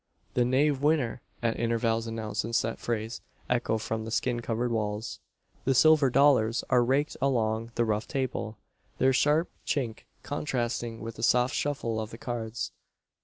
"The knave winner!" at intervals announced in set phrase echo from the skin covered walls. The silver dollars are raked along the rough table, their sharp chink contrasting with the soft shuffle of the cards.